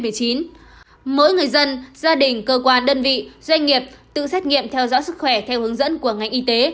mỗi người dân gia đình cơ quan đơn vị doanh nghiệp tự xét nghiệm theo dõi sức khỏe theo hướng dẫn của ngành y tế